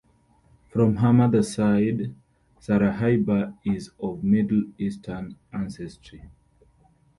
From her mother side, Sarahyba is of Middle Eastern ancestry.